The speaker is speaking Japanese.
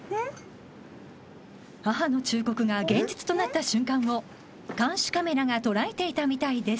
［母の忠告が現実となった瞬間を監視カメラが捉えていたみたいです］